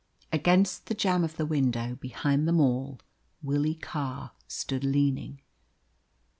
Against the jamb of the window, behind them all, Willie Carr stood leaning.